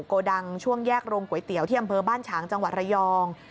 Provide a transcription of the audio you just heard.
โกดังช่วงแยกโรงก๋วยเตี๋ยวที่อำเภอบ้านฉางจังหวัดระยอง